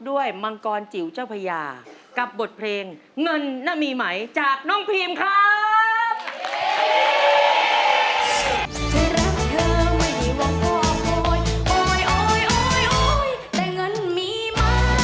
มังกรจิ๋วเจ้าพญากับบทเพลงเงินน่ะมีไหมจากน้องพีมครับ